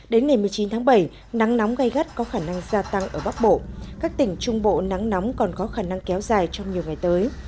đến ngày một mươi chín tháng bảy nắng nóng gai gắt có khả năng gia tăng ở bắc bộ các tỉnh trung bộ nắng nóng còn có khả năng kéo dài trong nhiều ngày tới